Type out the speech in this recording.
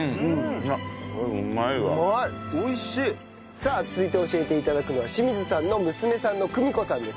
さあ続いて教えて頂くのは清水さんの娘さんの久美子さんです。